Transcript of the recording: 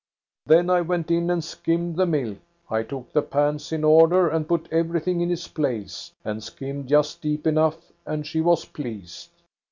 " Then I went in and skimmed the milk. I took the pans in order, and put everything in its place, and skimmed just deep enough, and she was pleased.